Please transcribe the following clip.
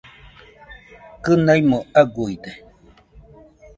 Kɨnaimo aguide